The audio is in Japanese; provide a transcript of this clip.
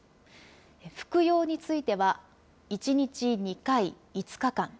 服用については、１日２回、５日間。